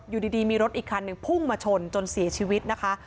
อยู่ดีมีรถอีกคันหนึ่งพุ่งมาชนจนเสียชีวิตนะคะ